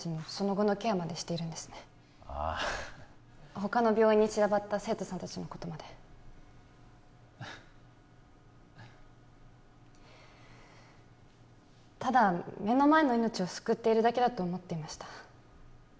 他の病院に散らばった生徒さん達のことまでただ目の前の命を救っているだけだと思っていました